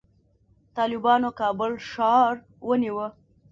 طالبانو کابل ښار ونیو